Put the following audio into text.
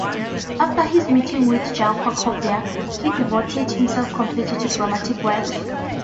After his meeting with Jacques Copeau, he devoted himself completely to dramatic works.